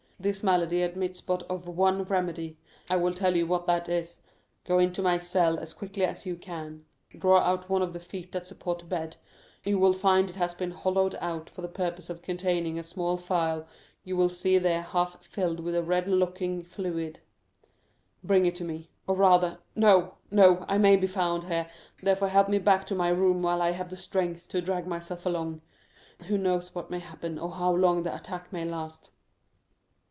This malady admits but of one remedy; I will tell you what that is. Go into my cell as quickly as you can; draw out one of the feet that support the bed; you will find it has been hollowed out for the purpose of containing a small phial you will see there half filled with a red looking fluid. Bring it to me—or rather—no, no!—I may be found here, therefore help me back to my room while I have the strength to drag myself along. Who knows what may happen, or how long the attack may last?"